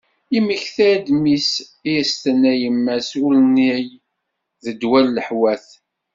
Yemmekta-d mi i as-tenna yemma-s ul-nneγ d ddwa i leḥwat.